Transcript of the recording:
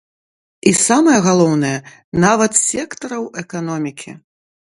І самае галоўнае, нават сектараў эканомікі.